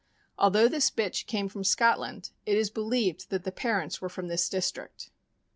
Although this bitch came from Scotland, it is believed the parents were from this district.